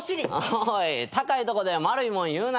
おい高いとこで丸いもん言うな。